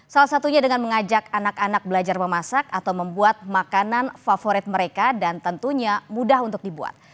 salah satunya dengan mengajak anak anak belajar memasak atau membuat makanan favorit mereka dan tentunya mudah untuk dibuat